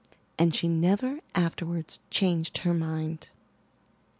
And she never afterwards changed her mind.